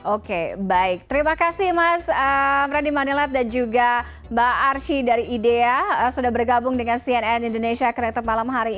oke baik terima kasih mas frandy manilat dan juga mbak arsy dari idea sudah bergabung dengan cnn indonesia kreator malam hari ini